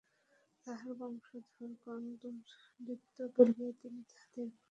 তাঁহার বংশধরগণ দুর্বৃত্ত বলিয়া তিনি তাহাদের পরস্পরের বিনাশ নিবারণ করেন নাই।